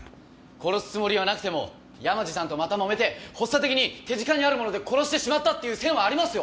殺すつもりはなくても山路さんとまたもめて発作的に手近にある物で殺してしまったっていう線はありますよ！